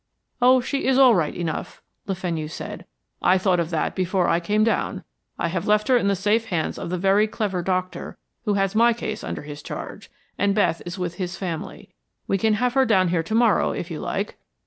"Oh, she is all right enough," Le Fenu said. "I thought of that before I came down. I have left her in the safe hands of the very clever doctor who has my case under his charge, and Beth is with his family. We can have her down here to morrow if you like."